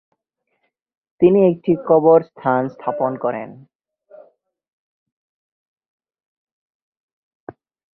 তিনি একটি কবরস্থান স্থাপন করেন।